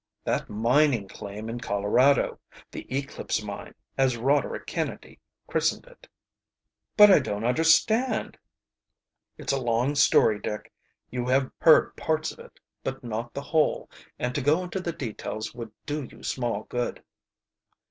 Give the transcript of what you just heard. "That mining claim in Colorado the Eclipse Mine, as Roderick Kennedy christened it." "But I don't understand?" "It's a long story, Dick. You have beard parts of it, but not the whole, and to go into the details would do you small good."